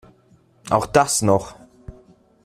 Auch das noch!